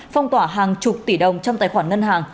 phong tỏa hàng chục tỷ đồng trong tài khoản ngân hàng